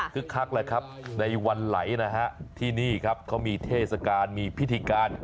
คักเลยครับในวันไหลนะฮะที่นี่ครับเขามีเทศกาลมีพิธีการ